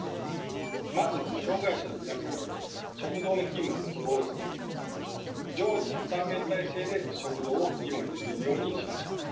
まず障害者の皆さんに食堂の勤務の希望を募り常時３名体制で食堂を切り盛りできるようにしました。